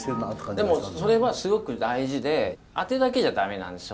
でもそれはすごく大事であてだけじゃ駄目なんですよ。